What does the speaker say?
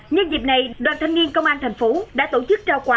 nhân dịp này đoàn thanh niên công an thành phố đã tổ chức trao quà